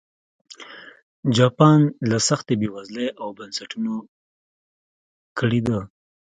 جاپان له سختې بېوزلۍ او بنسټونو کړېده.